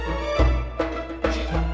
sudah gak usah dibahas